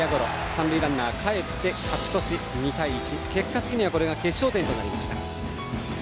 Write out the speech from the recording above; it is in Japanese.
三塁ランナーかえって勝ち越して２対１、結果的にはこれが決勝点となりました。